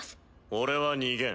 俺は逃げん。